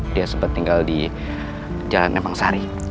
dia sempet tinggal di jalan nepang sari